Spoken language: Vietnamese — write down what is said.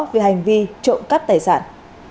về hành vi trộm cắt tài sản